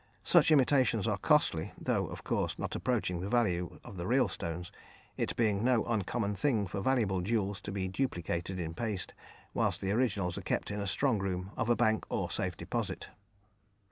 Such imitations are costly, though, of course, not approaching the value of the real stones; it being no uncommon thing for valuable jewels to be duplicated in paste, whilst the originals are kept in the strong room of a bank or safe deposit.